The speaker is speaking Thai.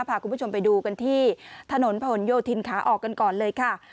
พาคุณผู้ชมไปดูกันที่ถนนผนโยธินขาออกกันก่อนเลยค่ะ